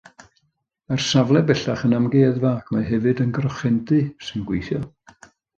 Mae'r safle bellach yn amgueddfa, ac mae hefyd yn grochendy sy'n gweithio.